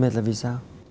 mệt là vì sao